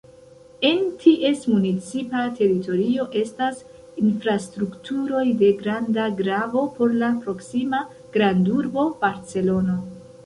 En ties municipa teritorio estas infrastrukturoj de granda gravo por la proksima grandurbo Barcelono.